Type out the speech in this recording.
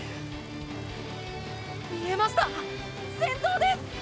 見えました先頭です！